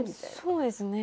そうですね。